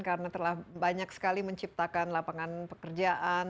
karena telah banyak sekali menciptakan lapangan pekerjaan